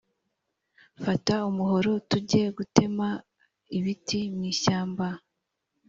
Fata umuhoro tugegutema ibiti mwishyamba